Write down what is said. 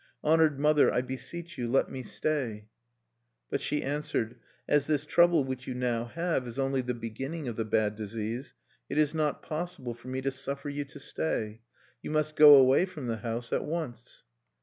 Honored mother, I beseech you, let me stay." But she answered: "As this trouble which you now have is only the beginning of the bad disease, it is not possible for me to suffer you to stay. You must go away from the house at once."